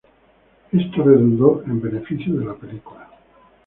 Esto redundó en beneficio de la película.